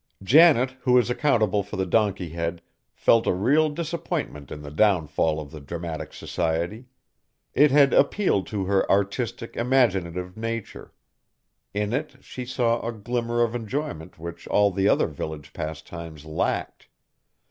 Janet, who was accountable for the donkey head, felt a real disappointment in the downfall of the dramatic society. It had appealed to her artistic, imaginative nature. In it she saw a glimmer of enjoyment which all the other village pastimes lacked.